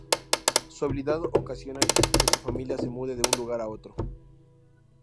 Su habilidad ocasiona que su familia se mude de un lugar a otro.